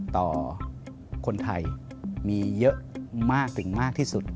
ต่อคนไทยมีเยอะมากถึงมากที่สุด